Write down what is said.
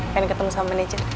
pengen ketemu sama necik